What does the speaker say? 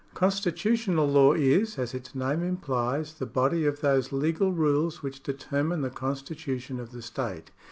Constitutional law is, as its name implies, the body of those legal rules which determine the constitution of the state.